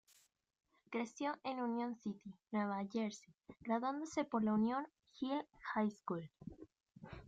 Creció en Union City, Nueva Jersey, graduándose por la Union Hill High School.